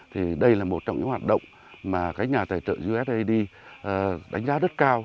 thì đây là một trong những hoạt động mà các nhà tài trợ usad đánh giá rất cao